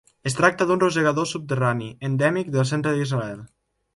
Es tracta d'un rosegador subterrani endèmic del centre d'Israel.